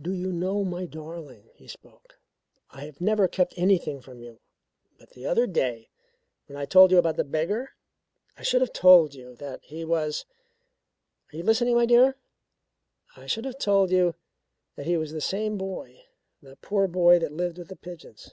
"Do you know, my darling," he spoke. "I have never kept anything from you but the other day when I told you about the beggar, I should have told you that he was Are you listening, my dear? I should have told you that he was the same boy the poor boy that lived with the pigeons.